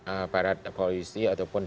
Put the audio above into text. aparat polisi ataupun